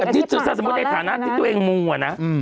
ทีสักสมมุติไถ่ฐานที่ตัวเองมวลนะ